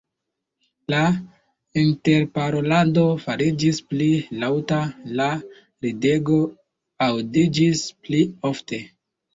La interparolado fariĝis pli laŭta, la ridego aŭdiĝis pli ofte.